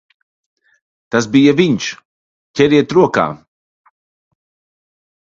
Tas bija viņš! Ķeriet rokā!